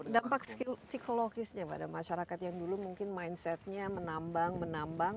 dampak psikologisnya pada masyarakat yang dulu mungkin mindsetnya menambang menambang